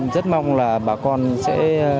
rất mong là bà con sẽ